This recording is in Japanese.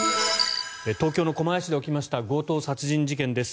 東京・狛江市で起きました強盗殺人事件です。